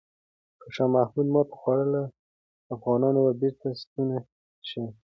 که شاه محمود ماتې وخوري، افغانان به بیرته ستون شي.